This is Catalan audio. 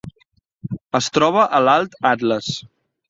Es troba a l'Alt Atles.